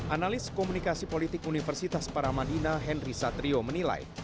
analis komunikasi politik universitas paramadina henry satrio menilai